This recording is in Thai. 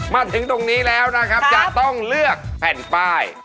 มาถึงตรงนี้แล้วจะต้องเลือกแผ่นป้ายครับ